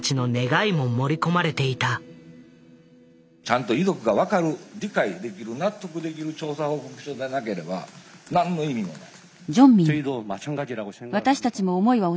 ちゃんと遺族が分かる理解できる納得できる調査報告書でなければ何の意味もない。